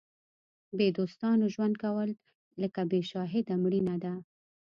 بې دوستانو ژوند کول لکه بې شاهده مړینه ده.